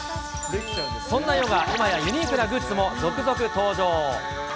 そんなヨガ、今やユニークなグッズも続々登場。